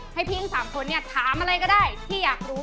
ให้พี่อิงสามคนถามอะไรก็ได้ที่อยากรู้